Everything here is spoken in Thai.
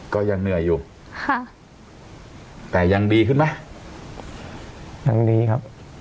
ก็ยังเหนื่อยอยู่ค่ะแต่ยังดีขึ้นไหมยังดีครับ